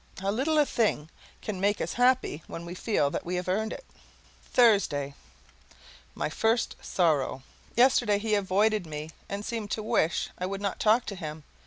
How little a thing can make us happy when we feel that we have earned it! THURSDAY. my first sorrow. Yesterday he avoided me and seemed to wish I would not talk to him.